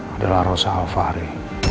adalah rosa alvari